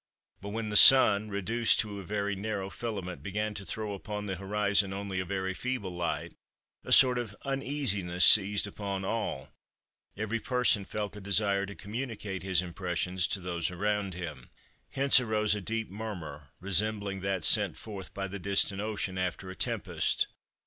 But when the Sun, reduced to a very narrow filament, began to throw upon the horizon only a very feeble light, a sort of uneasiness seized upon all; every person felt a desire to communicate his impressions to those around him. Hence arose a deep murmur, resembling that sent forth by the distant ocean after a tempest.